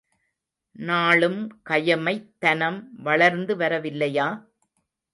நாளும் கயமைத்தனம் வளர்ந்து வரவில்லையா?